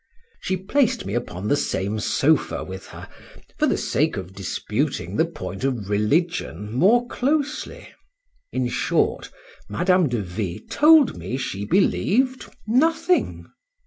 She placed me upon the same sofa with her, for the sake of disputing the point of religion more closely.—In short Madame de V— told me she believed nothing.